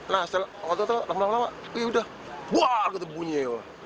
nah setelah lama lama yaudah buah gitu bunyi